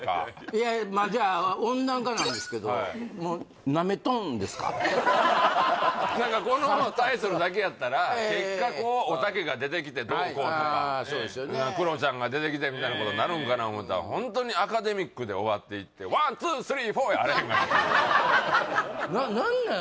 いやまあじゃあ温暖化なんですけど何かこのタイトルだけやったら結果こうおたけが出てきてどうこうとかクロちゃんが出てきてみたいなことになるんかな思ったらホントにアカデミックで終わっていって「ワンツースリーフォー」やあらへんがなというなっなんなん？